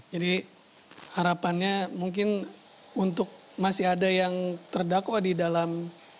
jadi harapannya mungkin untuk masih ada yang terdakwa di dalam